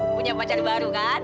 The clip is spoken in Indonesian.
punya pacar baru kan